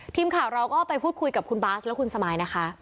ทีมข่าวเราก็ไปพูดคุยกับคุณบาสและคุณสมายนะคะ